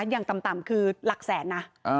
อย่างต่ำคือหลักแสนนะ